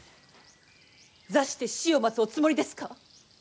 座して死を待つおつもりですか！